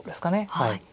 はい。